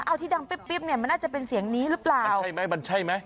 เอาที่ดังปิ๊บปิ๊บเนี่ยมันน่าจะเป็นเสียงนี้หรือเปล่ามันใช่ไหมมันใช่ไหม